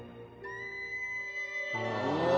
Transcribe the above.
うわ。